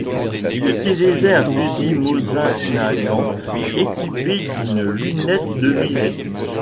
Il utilisait un fusil Mosin-Nagant équipé d'une lunette de visée.